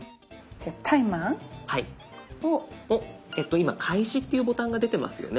今「開始」っていうボタンが出てますよね。